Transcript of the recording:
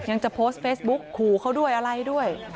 จะโพสต์เฟซบุ๊กขู่เขาด้วยอะไรด้วย